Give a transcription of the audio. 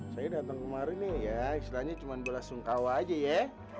saya datang kemarin nih ya istilahnya cuma belasungkawa aja ya